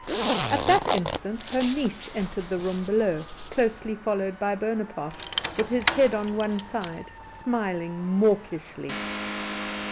At that instant her niece entered the room below, closely followed by Bonaparte, with his head on one side, smiling mawkishly.